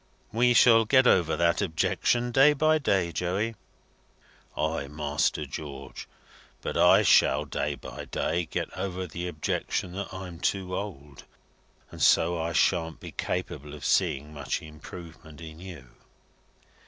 "We shall got over that objection day by day, Joey." "Ay, Master George; but I shall day by day get over the objection that I'm too old, and so I shan't be capable of seeing much improvement in you."